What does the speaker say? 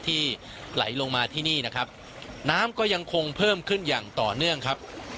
ที่ไหลลงมาที่นี่นะครับน้ำก็ยังคงเพิ่มขึ้นอย่างต่อเนื่องครับ